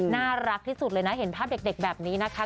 น่ารักที่สุดเลยนะเห็นภาพเด็กแบบนี้นะคะ